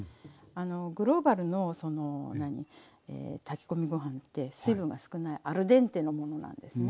グローバルの炊き込みご飯って水分が少ないアルデンテのものなんですね。